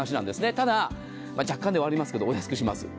ただ、若干ではありますがお安くします。